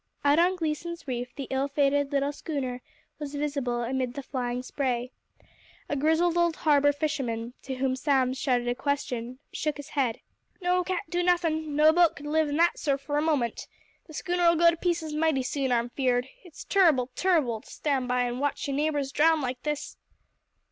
Out on Gleeson's Reef the ill fated little schooner was visible amid the flying spray. A grizzled old Harbour fisherman, to whom Sam shouted a question, shook his head. "No, can't do nothin'! No boat c'd live in that surf f'r a moment. The schooner'll go to pieces mighty soon, I'm feared. It's turrible! turrible! to stan' by an' watch yer neighbours drown like this!"